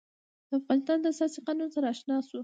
د افغانستان د اساسي قانون سره آشنا شو.